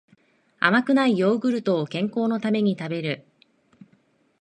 甘くないヨーグルトを健康のために食べる